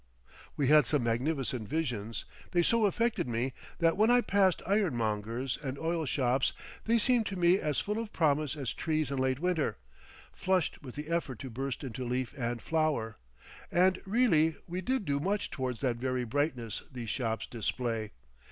We had some magnificent visions; they so affected me that when I passed ironmongers and oil shops they seemed to me as full of promise as trees in late winter, flushed with the effort to burst into leaf and flower.... And really we did do much towards that very brightness these shops display.